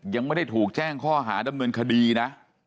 ยังไม่ได้ถูกแจ้งข้อหาดำเนินคดีนะ